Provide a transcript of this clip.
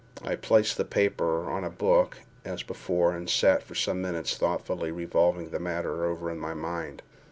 I placed the paper on a book as before, and sat for some minutes thoughtfully revolving the matter over in my mind.